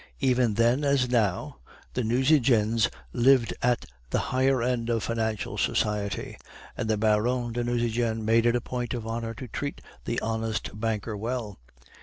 "Even then as now the Nucingens lived at the higher end of financial society, and the Baron de Nucingen made it a point of honor to treat the honest banker well.